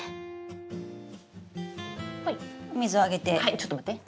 ちょっと待って。